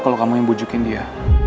kalau kamu yang bujukin dia